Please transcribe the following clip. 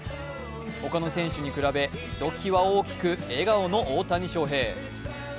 他の選手に比べひときわ大きく笑顔の大谷翔平。